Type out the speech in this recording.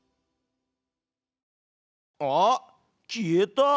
あっ消えた！